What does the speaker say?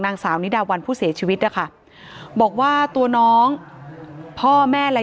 นางสาวนิดาวันผู้เสียชีวิตนะคะบอกว่าตัวน้องพ่อแม่และ